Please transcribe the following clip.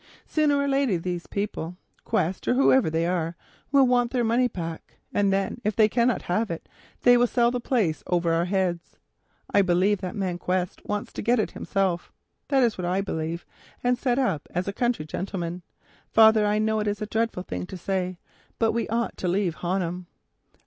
Sooner or later these people, Quest, or whoever they are, will want their money back, and then, if they cannot have it, they will sell the place over our heads. I believe that man Quest wants to get it himself—that is what I believe —and set up as a country gentleman. Father, I know it is a dreadful thing to say, but we ought to leave Honham."